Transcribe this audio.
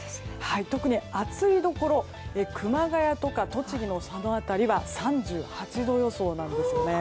特に暑いところ熊谷とか栃木の佐野辺りは３８度予想なんです。